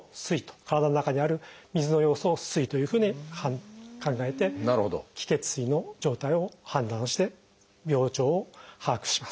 体の中にある水の要素を「水」というふうに考えて「気・血・水」の状態を判断をして病状を把握します。